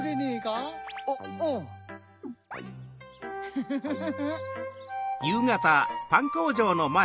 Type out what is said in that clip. フフフフ。